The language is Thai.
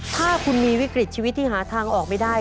ถ้าคุณมีวิกฤตชีวิตที่หาทางออกไม่ได้